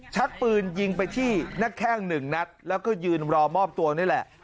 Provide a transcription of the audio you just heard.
ชักปืนยิงไปที่หน้าแข้งหนึ่งนัดแล้วก็ยืนรอมอบตัวนี่แหละ